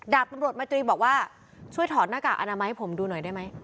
ดาบตำรวจมาตรีบอกว่าช่วยถอดหน้ากากอนามัยให้ผมดูหน่อยได้ไหม